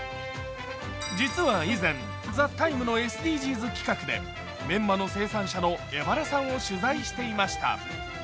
実は以前、「ＴＨＥＴＩＭＥ，」のＳＤＧｓ企画でメンマの生産者の江原さんを取材していました。